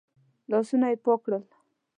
لاسونه يې پاک کړل.